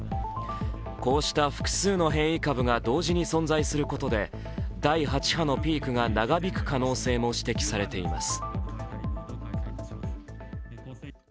こうした複数の変異株が同時に存在することで第８波のピークが長引く可能性も指摘されています。